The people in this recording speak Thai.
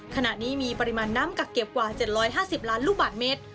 ขณะนี้มีปริมาณน้ำกักเก็บกว่า๗๕๐ล้านลูกบาทเมตร